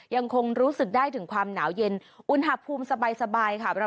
ยังคงรู้สึกได้ถึงความหนาวเย็นอุณหภูมิสบายค่ะ